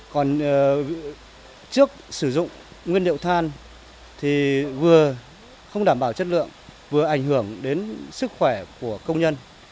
còn trước sử dụng nguyên liệu than thì vừa không đảm bảo chất lượng vừa ảnh hưởng đến sức khỏe của công nhân